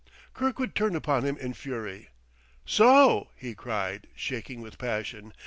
Kirkwood turned upon him in fury. "So!" he cried, shaking with passion.